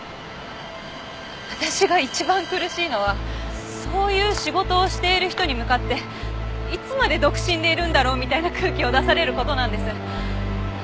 私が一番苦しいのはそういう仕事をしている人に向かっていつまで独身でいるんだろうみたいな空気を出される事なんです。